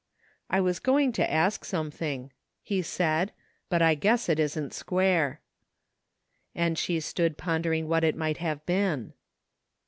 " I was going to ask something," he said, " but I guess that isn't square." And she stood pondering what it might have been.